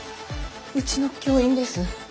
うちの教員です。